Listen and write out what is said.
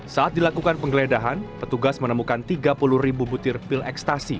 saat dilakukan penggeledahan petugas menemukan tiga puluh ribu butir pil ekstasi